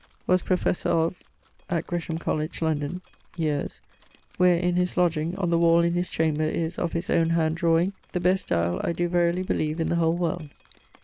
Was professor of ... at Gresham Colledge, London, ... yeares; where, in his lodgeing, on the wall in his chamber, is, of his owne hand draweing, the best diall I doe verily beleeve in the whole world.